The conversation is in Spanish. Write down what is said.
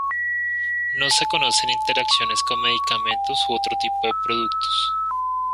No se conocen interacciones con medicamentos u otro tipo de productos.